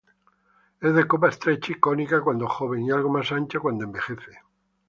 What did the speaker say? Es de copa estrecha y cónica cuando joven y algo más ancha cuando envejece.